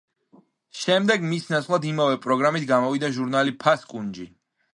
შემდეგ მის ნაცვლად იმავე პროგრამით გამოვიდა ჟურნალი „ფასკუნჯი“.